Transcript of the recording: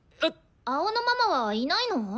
青野ママはいないの？